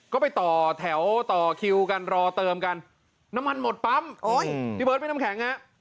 ก็ไปต่อแถวต่อคิวกันรอเติมกันน้ำมันหมดปั๊มโอ้ยดิเบิร์ตไม่ได้นำแข็ง